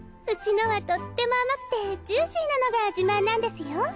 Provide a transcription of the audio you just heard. うちのはとっても甘くてジューシーなのが自慢なんですよ。